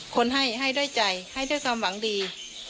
คนให้ให้ด้วยใจให้ด้วยความหวังดี